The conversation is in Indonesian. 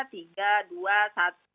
tiga dua satu